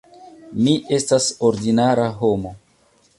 Mi estas ordinara homo.